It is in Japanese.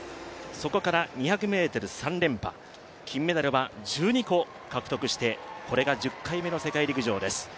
そこから２００ｍ３連覇、金メダルは１２個獲得してこれが１０回目の世界陸上です。